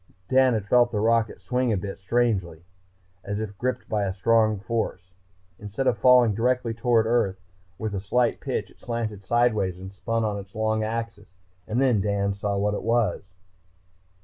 Dan had felt the rocket swing a bit, strangely, as if gripped by a strong force. Instead of falling directly down toward Earth with a slight pitch, it slanted sideways and spun on its long axis. And then Dan saw what it was....